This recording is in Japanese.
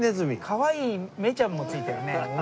かわいい目ちゃんも付いてるね。